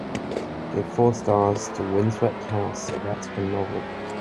Give four stars to Windswept House: A Vatican Novel